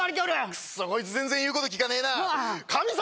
くっそこいつ全然言うこと聞かねえな神様！